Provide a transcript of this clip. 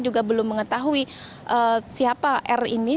juga belum mengetahui siapa r ini